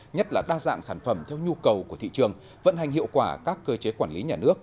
nhất là đa dạng sản phẩm theo nhu cầu của thị trường vận hành hiệu quả các cơ chế quản lý nhà nước